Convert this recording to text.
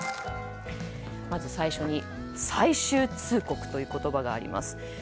まず、最初に最終通告という言葉があります。